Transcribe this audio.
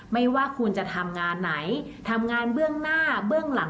ไม่ว่าคุณจะทำงานไหนทำงานเบื้องหน้าเบื้องหลัง